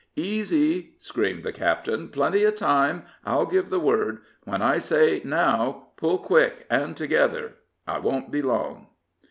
"Easy!" screamed the captain. "Plenty of time. I'll give the word. When I say, 'Now,' pull quick and all together. I won't be long."